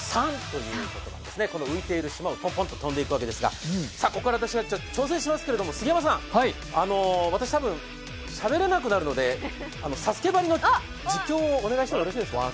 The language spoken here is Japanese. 浮いている島をポンポンと跳んでいくんですが、これから挑戦しますが、私たぶん、しゃべらなくなるので、「ＳＡＳＵＫＥ」ばりの実況をお願いしてもよろしいですか？